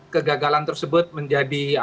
kegagalan tersebut menjadi